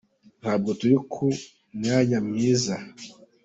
ntabwo turi ku mwanya mwiza.